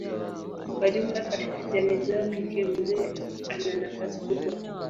Kwa jumla katika jamii zao kike mzee ana nafasi kubwa.